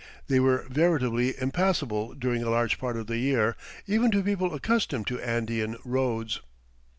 They were veritably impassable during a large part of the year even to people accustomed to Andean "roads."